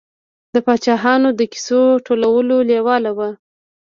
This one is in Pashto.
د پاچاهانو د کیسو ټولولو لېواله و.